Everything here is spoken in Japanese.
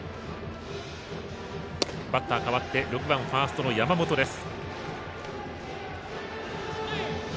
バッター代わって６番ファーストの山本です。